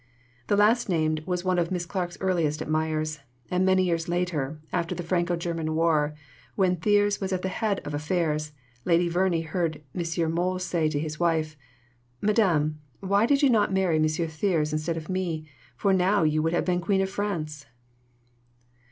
The last named was one of Miss Clarke's earliest admirers; and many years later, after the Franco German war, when Thiers was at the head of affairs, Lady Verney heard M. Mohl say to his wife, "Madame, why did you not marry M. Thiers instead of me, for now you would have been Queen of France?"